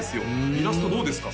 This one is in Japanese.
イラストどうですか？